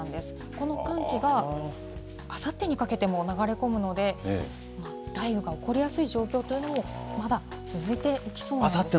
この寒気があさってにかけても流れ込むので、雷雨が起こりやすい状況というのもまだ続いていきそうなんです。